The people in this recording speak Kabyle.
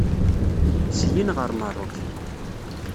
Syin ɣer Merruk.